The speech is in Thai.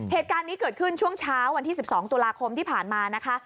เหตุการณ์นี้เกิดขึ้นช่วงเช้าวันที่๑๒ตุลาคมที่ผ่านมานะคะ